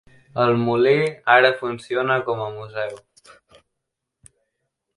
El molí ara funciona com a museu.